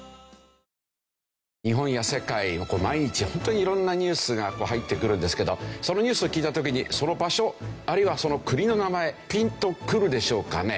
日本や世界の毎日ホントに色んなニュースが入ってくるんですけどそのニュースを聞いた時にその場所あるいはその国の名前ピンと来るでしょうかね？